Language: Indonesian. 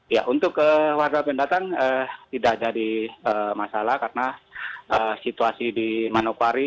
ya untuk warga pendatang tidak jadi masalah karena situasi di manopari